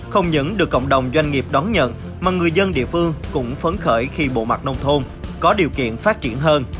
không những được cộng đồng doanh nghiệp đón nhận mà người dân địa phương cũng phấn khởi khi bộ mặt nông thôn có điều kiện phát triển hơn